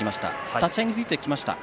立ち合いについて聞きました。